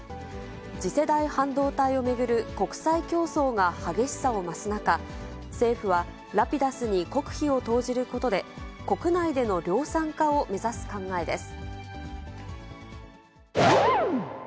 次世代半導体を巡る国際競争が激しさを増す中、政府はラピダスに国費を投じることで、国内での量産化を目指す考えです。